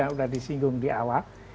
udah disinggung di awal